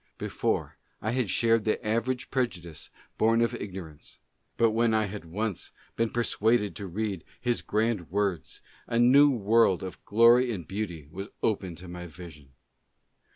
Before, I had shared the average prejudice born of igno rance ; but when I had once been persuaded to read his grand words, a new world of glory and beauty was opened to my vision.